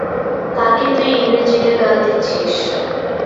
কাকে তুই ইংরেজিতে গাল দিচ্ছিস?